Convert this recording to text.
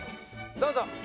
どうぞ。